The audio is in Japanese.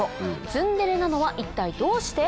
ツンデレなのは一体どうして？